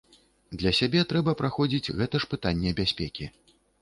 Для сябе трэба праходзіць, гэта ж пытанне бяспекі.